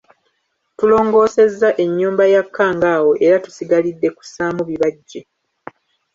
Tulongoosezza ennyumba ya Kkangaawo era tusigalidde kussaamu bibajje.